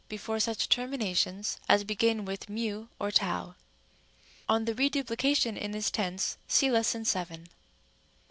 before such terminations as begin with » or 7. On the reduplication in this tense see § 7. Rem. c.